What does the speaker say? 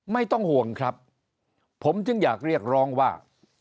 ไม่ต้องห่วงครับผมจึงอยากเรียกร้องว่า